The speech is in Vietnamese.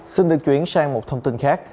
xin được chuyển sang một thông tin khác